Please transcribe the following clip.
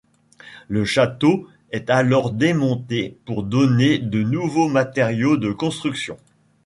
Le château est alors démonté pour donner de nouveaux matériaux de construction.